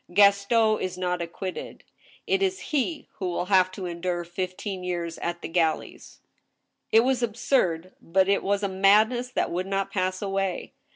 Gaston is not acquitted. It is he who will have to endure fifteen years at the galleys !" It was absurd, but it was a madness that would not pass away.